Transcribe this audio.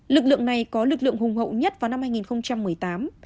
lực lượng này có lực lượng hùng hậu nhất vào năm hai nghìn một mươi tám